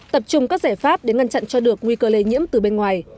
tập trung các giải pháp để ngăn chặn cho được nguy cơ lây nhiễm từ bên ngoài